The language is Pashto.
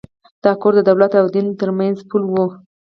دا کور د دولت او دین تر منځ پُل و.